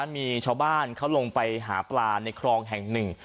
มีชาวบ้านเขาลงไปหาปลาในคลองแห่งหนึ่ง